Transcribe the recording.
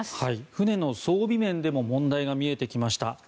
船の装備面でも問題が見えてきました。